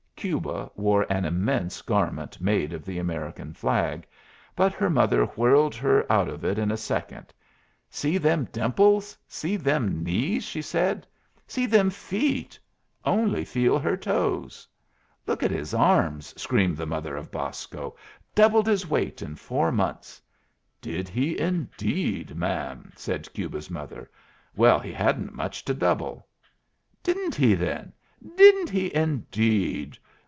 Cuba wore an immense garment made of the American flag, but her mother whirled her out of it in a second. "See them dimples; see them knees!" she said. "See them feet! Only feel of her toes!" "Look at his arms!" screamed the mother of Bosco. "Doubled his weight in four months." "Did he indeed, ma'am?" said Cuba's mother; "well, he hadn't much to double." "Didn't he, then? Didn't he indeed?"